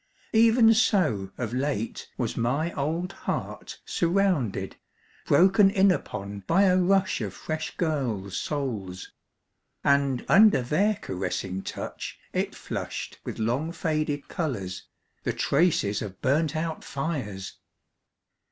Even so of late was my old heart surrounded, broken in upon by a rush of fresh girls' souls ... and under their caressing touch it flushed with long faded colours, the traces of burnt out fires